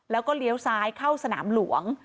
แล้วก็เลี้ยวซ้ายเข้าสนามหลวง